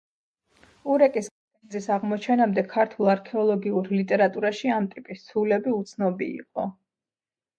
ურეკის განძის აღმოჩენამდე ქართულ არქეოლოგიურ ლიტერატურაში ამ ტიპის ცულები უცნობი იყო.